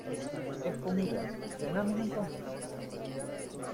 ¡ es comida! ¿ cenamos, entonces?